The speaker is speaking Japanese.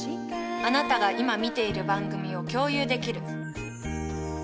あなたが今見ている番組を共有できる。